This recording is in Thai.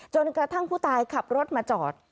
กระทั่งผู้ตายขับรถมาจอด